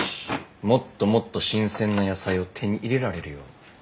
もっともっと新鮮な野菜を手に入れられるように頑張ります。